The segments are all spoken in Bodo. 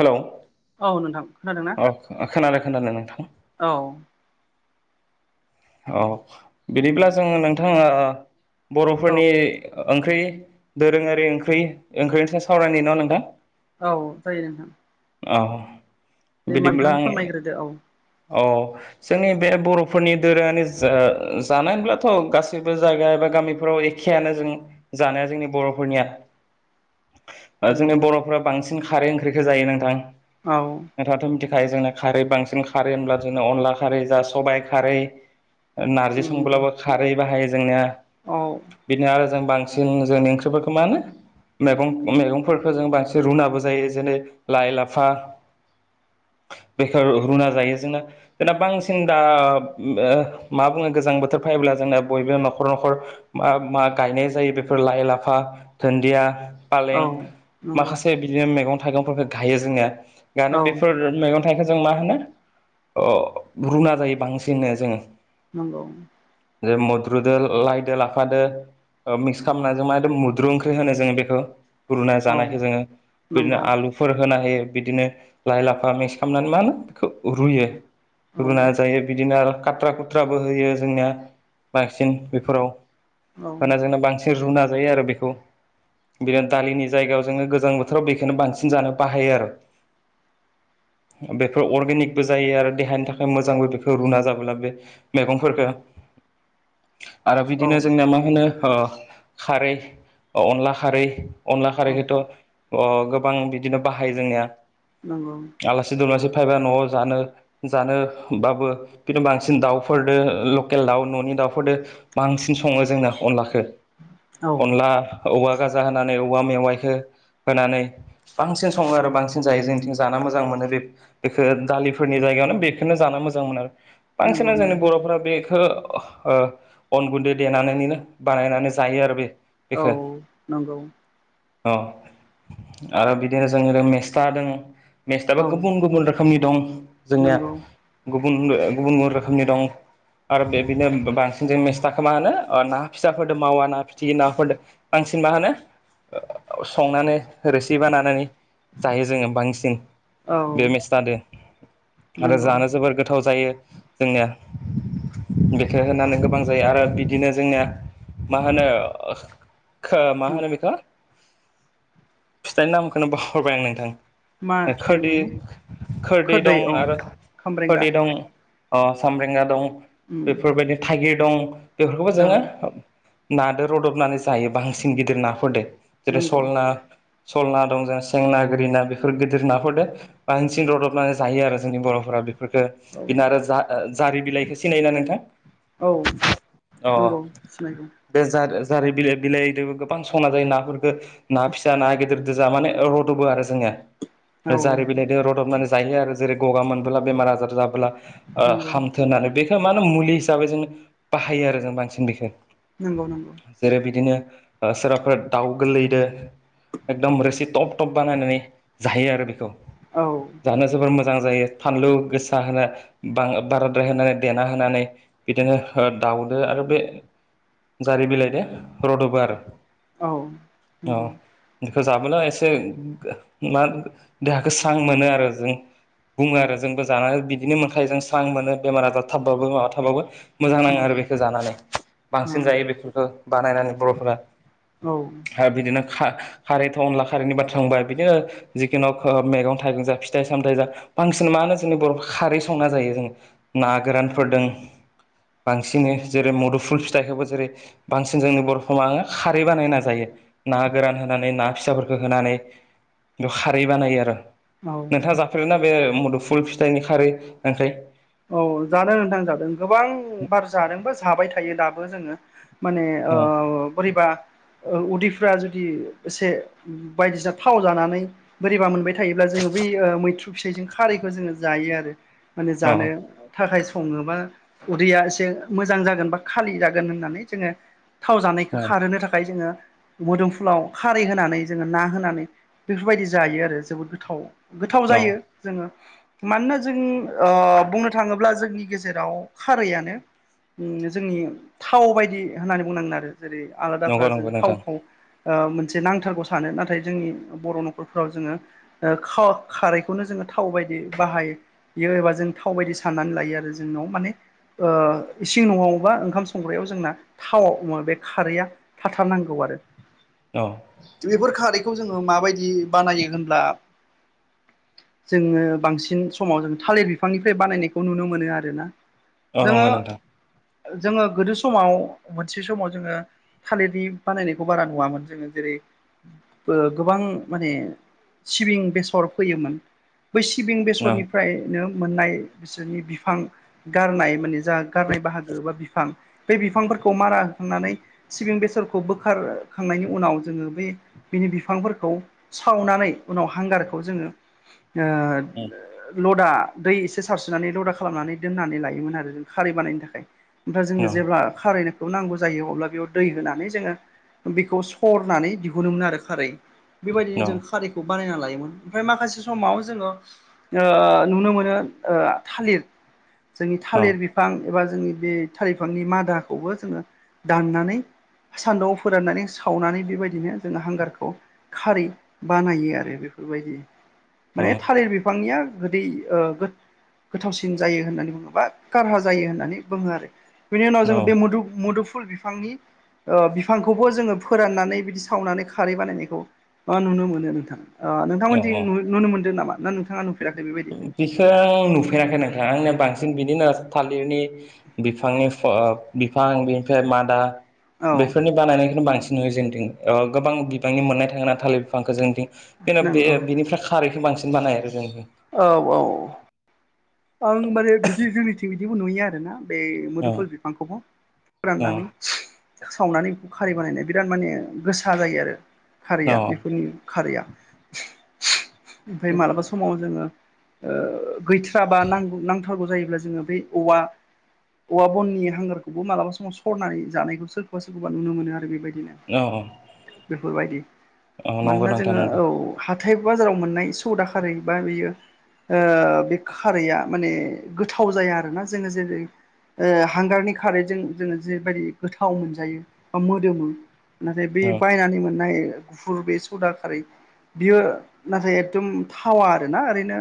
हेलौ औ नोंथां खोनादोंना अ खोनादों खोनादों नोंथां औ औ बिदिब्ला जोङो नोंथां ओ औ बर'फोरनि ओंख्रि दोरोङारि ओंख्रै ओंख्रिनि सायाव सावरायनि न नोंथां औ जायो नोंथां औ दे होमबा बिदिब्ला नोंथाङानो आङो फोरमायग्रोदो औ औ जोंनि बे बर'फोरनि दोरोङारि जा जानायहोनब्लाथ' गासैबो जायगा एबा गामिफ्राव एखेयानो जों जानाया जोंनि बर'फोरनिया जोंनि नंगौ बर'फोरा बांसिन खारै ओंख्रिखौ जायो नोंथां औ नोंथाङाथ' मिथिखायो जोंना खारै बांसिन खारै होनब्ला जोंनो अनला खारै जा सबाय खारै नारजि नंगौ संब्लाबो खारै बाहायो जोंनिया औ बिदिनो आरो जों बांसिन जोंनि ओंख्रिफोरखौ मा होनो मैगं मैगंफोरखौ जों बांसिन रुनाबो जायो जेरै लाइ लाफा बेखौ रुना जायो जोंना जोंना बांसिन दा ओ मा बुङो गोजां बोथोर फायोब्ला जोंना बयबो न'खर न'खर मा मा गायनाय जायो बेफोर लाइ लाफा दुन्दिया फालें औ नंगौ माखासे बिदिनो मैगं थाइगंफोरखौ गायो जोंनिया गानो औ बेफोर मैगं हथायखौ जों मा होनो अ रुना जायो बांसिननो जोङो नंगौ जे मुद्रुदो लायदो लाफादो मिक्स खालामनानै जों मा एकदम मुद्रु ओंख्रि होनो जोङो बेखौ रुना औ जानायखौ जोङो बिदिनो नंगौ आलु फोर होना होयो बिदिनो लाइ लाफा मिक्स खालामनानै मा होनो बेखौ रुयो औ रुना जायो बिदिनो आरो खाथ्रा खुथ्राबो होयो जोंनिया बांसिन बेफोराव औ खाजोंना बांसिन रुना जायो आरो बेखौ। बिदिनो दालिनि जायगायाव जोङो गोजां बोथोराव बेखौनो बांसिन जानो बाहायो आरो। बेफोर अर्गेनिकबो जायो आरो देहानि थाखाय मोजांबो बेफोर रुना जाबोला बे मैगंफोरखौ आरो बिदिनो औ जोंनिया मा होनो अ खारै अनला खारै अनला औ खारैखौथ' जोङो अ गोबां बिदिनो बाहायो जोंनिया नांगौ। आलासि दुमलासि फैबा न'आव जानो जानोबाबो। बिदिनो बांसिन दाउफोरजों लकेल दाउ न'नि दाउफोरजों बांसिन सङो जोंना अनलाखौ औ अनला औवा गाजा होनानै औवा मेवाइखौ होनानै बांसिन सङो आरो बांसिन जायो जोंथिं जान मोजां मोनो बे बेखौ दालिफोरनि जायगायावनो बेखौोननो जानो मोजां मोनो। बांसिन नंगौ जोंनि नंगौ बर'फोरा बेखौ अन गुन्दै देनानैनो बानायनानै जायो आरो बे औ बेखौ। नंगौ औ आरो बिदिनो जों मेस्ट दं। मेक्सटाइलाव औ गुबुन गुबुन रोखोमनि दं जोंनिया नंगौ गुबुन गुबुन गुबुन रोखोमनि दं। आरो बेदिनो बांसिन जों मेस्थाख मा होनो ना फिसाफोरदों मावा ना फिथि नाफोरदों बांसिन मा होनो संनानै रोसि बा नायनानै जायो जोङो बांसिन औ बे मेसथाजों आरो नंगौ जानो जोबोर गोथाव जायो जोंनिया। बेखौ होनानै गोबां जायो आरो बिदिनो जोंनिया मा होनो? मा होनो बेखौ फिथाइनि नामखौनो बावगारबाय आं मा नोंथां। फिथाइ खोरदै मोनथाय खोरदै दं आरो खामब्रेंगा खोरदै दं। खामब्रेंगा दं उम बेफोरबादि थाइगिर दं बेफोरखौबो औ जोङो। नादो रदबनानै जायो बांसिन गिदिर नाफोरजों जेरै नंगौ सल ना सल ना दं जों सेंना गोरि ना बेफोर गिदिर नाफोरदों बांसिन रूदबनानै जायो आरो जोंनि बर'फोरा बेफोरफोरखौ औ बिनो आरो जा जारि बिलाइखौ सिनायो ना नोंथां औ अ नंगौ सिनायगौ बे जा-जारि बिलाइ बिलाइजोंबो गोबां संना जायो नाफोरफोरखौ ना फिसा ना गिदिर जानानै माने रद'बो आरो जोंनिया औ जारि बिलाइजों रदबनानै जाहैयो आरो जेरै गगा मोनबोला बेमार आजार जाबोला ओ नंगौ होनानै बेखौ मा होनो मुलि हिसाबै जों बाहायो आरो जों बांसिन बेखौ। नंगौ। जेरै बिदिनो सोरबाफोर दाउ गोरलैदो। एकदम रोसि टप टप बानायनानै जायो आरो बेखौ। ओ जानो जोबोर मोजां जायो फानलु गोसा होननै बां बाराद्राय होनानै देना होनानै बिदिनो दाउदो आरो बे जारि बिलाइ दे रदबो आरो औ अ नंगौ बेखौ जाबोनाय एसे मा देहाखौ स्रां मोनो आरो जों। बुङो आरो जोंबो जानानै बिदिनो मोनखायो जों स्रां मोनो बेमार आजार थाबबाबो माबा थाबाबो माबाबाबो मोजां नाङो ओं आरो बेखौ जानानै बांसिन जायो बेफोरखौ बानायनानै बर'फोरा। ओं आरो बिदिनो खारै थाव अनला खारैनि बाथ्रा थांबाय बिदिनो। जिखुनु मैगं थाइगं जा फिथाइ सामथायाइ जा बांसिन मा होनो जोंनि बर' खारदै संना जायो जों ना गोरानफोरदों। बांसिन जेरै मुदुफुल फिथाइखौबो जेरै बांसिन जोंनि बर'फा आंङो खारै बानायनो नाजायो। ना गोरान होनानै ना फिसाफोरखौ होनानै बेयाव खारै बानायो आरो। औ नोंथांङा जाफेरोना बे मदु फुल फिथाइनि खारै ओं औ जादों नथां जादों गोबां बार जादोंबा जाबाय थायो दाबो जोंङो माने आ औ बोरिबा उदैफ्रा जुदि एसे बायदिसिना थाव जानानै बोरैबा मोनबाय थायोब्ला जोंङो बैह मैथ्रु फिथाइजों खारैखौ जोंङो जायो आरो माने औ जानो थाखाय संङोबा उदैया एसे मोजां जागोन बा खालि जागोन होननानै जोंङो थाव जानायखौ औ खारहोनो थाखाय जोंङो मोदोमफुलाव खारै होनानै जोंङो ना होनानै बेफोरबायदि जायो आरो जोबोद गोथाव गोथाव औ जायो जोंङो मानोना जों बुंनो थांङोब्ला जोंनि गेजेराव खारैयनो जोंनि थाव बायदि होननानै बुंनांगोन आरो जेरै आलादाफ नंगौ जों नंगौ नोंथां थावखौ मोनसे नांथारगौ सानो नाथाय जोंनि बर' न'खरफोराव जोंङो ओ खाव‌ खारैखौनो जोंङो थाव बायदि बाहायो बियो एबा जों थाव बायदि साननानै लायो आरो जोंनाव माने ओ इसिं न'आवबा ओंखाम संग्रायाव जोंना थावाव बे खारैया थाथार नांगौ आरो औ बेफोर खारैखौ जोंङो माबायदि बानायो होनब्ला जोंङो बांसिन समाव जों थालिर बिफांनिफ्राय बानायनायखौ नुनो मोनो आरोना औ जोंङो नंगौ नोंथां जोङो गोदो समाव मोनसे समाव जोंङो थालिरनि बानायनायखौ बारा नुवामोन जोंङो जेरै ओ गोबां माने सिबिं बेसर फैयोमोन बै सिबिं औ बेसरनिफ्रायनो मोननाय बिसोरनि बिफां गारनाय माने जा गारनाय बाहागो बा बिफां बे बिफांफोरखौ मारा होखांनानै सिबिं बेसरखौ बोखारखांनायनि उनाव जोंङो बे बिनि बिफांफोरखौ सावनानै उनाव हांगारखौ जोंङो ओ औ लदा दै एसे सारस्रिनानै लदा खालामनानै दोननानै लायोमोन आरो जों खारै बानायनो थाखाय ओमफ्राय औ जोंङो जेब्ला खारायनायखौ नांगौ जायो अब्ला बेयाव दै होनानै जोंङो बेखौ सरनानै दिहुनोमोन आरो खारै बेबायदिनो औ जों खारैखौ बानायना लायोमोन ओमफ्राय माखासे समाव जोंङो ओ नुनो मोनो ओ थालिर जोंनि औ थालिर बिफां एबा जोंनि बे थालिर बिफांनि मादाखौबो जोङो दाननानै सानदुंआव फोराननानै सावनानै बेबायदिनो जोङो हांगारखौ खारै बानायो आरो बेफोरबायदि माने थालिर बिफांनिया गोदै ओ गोथावसिन जायो होननानै बुङोोबा खारहा जायो होननानै बुङो आरो बेनि उनाव जोङो बे औ मुदु मुदुफुल बिफांनि बिफांखौबो जोङो फोराननानै बिदि सावनानै खारै बानायनायखौ अ नुनो मोनो नोंथाङा औ नोंथांमोनथिं औ नुनो मोनदों नामा ना नोंथाङा नुफेराखै बेबायदि बिसोर आ नुफेराखै नोंथां आंनिया बांसिन बिदिनो थालिरनि बिफांनि बिफां बेनिफ्राय मादा औ बेफोरनि बानायनायखौनो बांसिन नुयो जोंनि थिं गोबां बिबांनि मोननाय थाङोना थालिर बिफांखौ जेनदों बेन' बे नंगौ बेनिफ्राय खारैखौ बांसिन बानाय आरो जों औ औ आं माने बिदि जोंनिथिं बिदिबो नुयो आरोना बे औ मुदुफुल बिफांखौबो औ फोराननानै सावनानै बेखौ खारै बानायनाय बिराद माने गोसा जायो आरो औ खारैया बेफोरनि खारैया ओमफ्राय मालाबा समाव जोङो ओ बै बा नां नांथारगौ जायोब्ला जोङो बै औवा औवा बननि हांगारखौबो मालाबा समाव सरनानै जानायखौ सोरखौबा सोरखौबा नुनो मोनो आरो बेबायदिनो औ बेफोरबायदि औ नंगौ मानोना नोंथां जोङो नंगौ औ हाथाय बाजाराव मोननाय सदा खारै बा बेयो बे खारैया माने गोथाव जाया आरोना जोङो जेरै ओ हांगारनि खारैजों जोङो जेबायदि गोथाव मोनजायो बा मोदोमो नाथाय बे औ बायनानै मोननाय गुफुर बे सौदा खारै बियो नाथाय एखदम थावा आरोना ओरैनो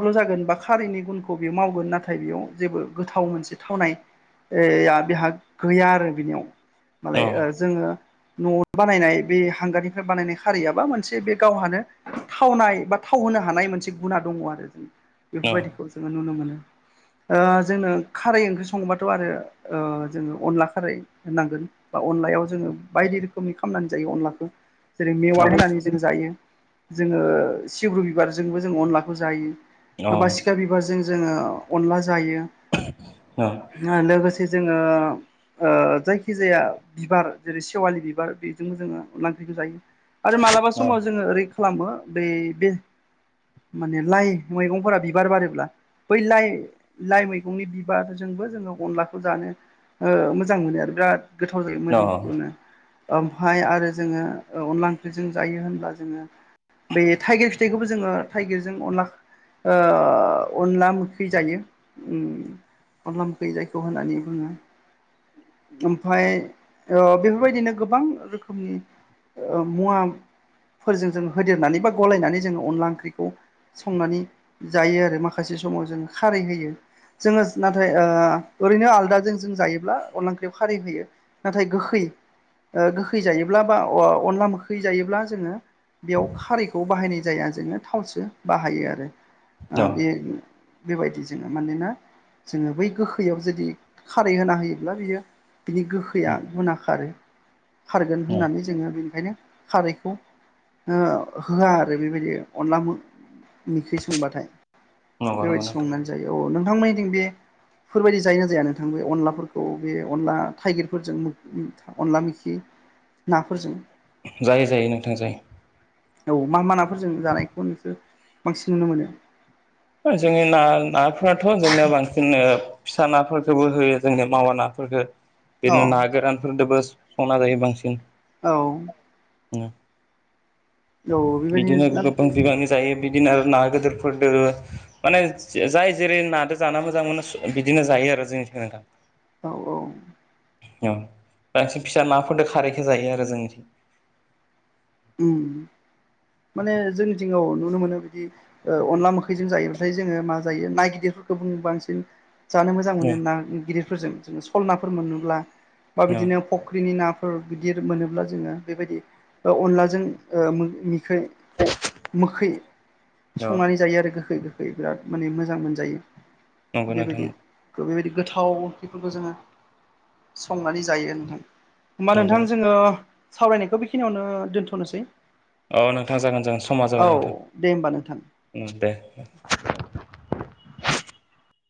ल' जागोन बा खारैनि गुनखौ बेयो मावगोन नाथाय बेयाव जेबो गोथाव मोनसे थावनाय बेहा गैया आरो बिनियाव मालाय औ जोङो न' बानायनाय बे हांगारनिफ्राय बानायनाय खारियाबा मोनसे बे गावहानो थावनाय बा थाव होनो हानाय मोनसे गुना दङ आरो जों औ बेफोरबायदिखौ जोङो नुनो मोनो जोङनो खारै ओंख्रि संबाथ' आरो जोङो अनला खारै होनांगोन बा अनलायाव जोङो बायदि रोखोमनि खालामनानै जायो अनलाखौ जेरै मेवा होनानै जों जायो जोङो सिब्रु बिबारजोंबो जों अनलाखौ जायो औ बासिखा बिबारजों जोङो अनला जायो औ लोगोसे जोङो जायखि जाया बिबार जेरै सेवालि बिबार बेजोंबो जोङो ओंख्रिखौ जायो आरो मालाबा औ समाव जोङो ओरै खालामो बै बे माने लाइ मैगंफोरा बिबार बारोब्ला बै लाइ लाइ मैगंनि बिबारजोंबो जोङो अनलाखौ जानो मोजां मोनो आरो बिराद गोथाव जायो मोदोमफुनो ओमफाय आरो जोङो अनला ओंख्रिजों जायो होनब्ला जोङो बे थाइगिर फिथाइखौबो जोङो थाइगिरजों अनला अनला मोखै जायो अनला मोखै जायखौ होननानै बुङो ओमफाय बेफोरबायदिनो गोबां रोखोमनि मुवाफोरजों जों होदेरनानै बा गलायनानै जोङो अनला ओंख्रिखौ संनानै जायो आरो माखासे समाव जों खारै होयो जोङो नाथाय ओरैनो आलदाजों जों जायोब्ला अनला ओंख्रियाव खारै होयो नाथाय गोखै गोखै जायोब्ला बा अनला मोखै जायोब्ला जोङो बेयाव खारैखौ बाहायनाय जाया जोङो थावसो बाहायो आरो बे बेबायदि जोङो मानोना जोङो बै गोखैयाव जुदि खारै होना होयोब्ला बियो बिनि गोखैआ मोनना खारो खारगोन होननानै जोङो बेनिखायनो खारैखौ होआ आरो बेबायदि अनला मो खै संबाथाय नंगौ नंगौ बेबायदि नोंथां संनानै जायो औ नोंथांमोननिथिं बे फोरबायदि जायो ना जाया नोंथां बे अनलाफोरखौ बे अनला थाइगिरफोरजों अनला मिखि नाफोरजों जायो जायो नोंथां जायो औ मा मा नाफोरजों जानायखौ नोंसोर बांसिन नुनो मोनो जोंनि ना नाफोराथ' जोंना बांसिन ओ फिसा नाफोरखौबो होयो जोंनो मावा नाफोरखो बिनो औ ना गोरानफोरदोबो संना जायो बांसिन औ [unintelligible] औ बेबायदिनो बिदिनो ना गोबां बिबांनि जायो बिदिनो आरो ना गोदोरफोरदो माने जाय जेरै नादो जाना मोजां मोनो बिदिनो जायो आरो जोंनिथिं नोंथां औ-औ औ बांसिन फिसा नाफोरदो खारैखो जायो आरो जोंनिथिं माने जोंनिथिं औ नुनो मोनो बिदि अनला मोखैजों जायो ओमफाय जोङो मा जायो ना गिदिरफोरखौबो बांसिन जानो मोजां मोनो ना गिदिरफोरजों जों सल नाफोर मोनोब्ला बा औ बिदिनो फख्रिनि नाफोर गिदिर मोनोब्ला जोङो बेबायदि ओ अनलाजों ओ मो मिखै मोखै औ संनानै जायो आरो गोखै बिराद माने मोजां मोनजायो नंगौ नोंथां बेबायदि बेबायदि गोथाव बेफोरखौ जोङो संनानै जायो नोंथां होमबा नंगौ नोंथां जोङो सावरायनायखौ बेखिनियावनो दोन्थ'नोसै औ नोंथां जागोन जागोन समा जाबाय नोंथां दे होमबा नोंथां ओं दे